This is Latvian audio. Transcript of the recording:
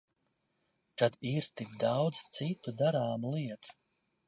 Kad ir tik daudz citu darāmu lietu.